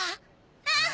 うん！